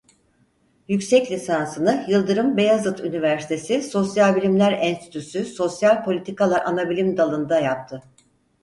Yüksek lisansını Yıldırım Beyazıt Üniversitesi Sosyal Bilimler Enstitüsü Sosyal Politikalar Anabilim Dalında yaptı.